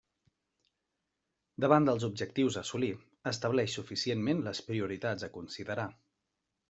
Davant dels objectius a assolir, estableix suficientment les prioritats a considerar.